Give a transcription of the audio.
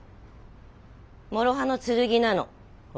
もろ刃の剣なの法律は。